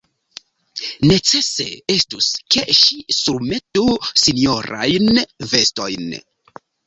Necese estus, ke ŝi surmetu sinjorajn vestojn.